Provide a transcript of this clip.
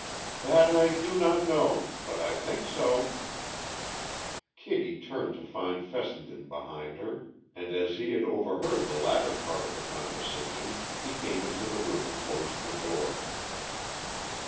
"That I do not know, but I think so." Kitty turned to find Fessenden behind her, and as he had overheard the latter part of the conversation he came into the room and closed the door.